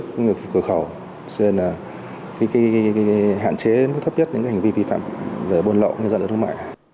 cũng như là cửa khẩu cho nên là cái hạn chế nó thấp nhất những hành vi vi phạm về bồn lậu như dẫn đến thương mại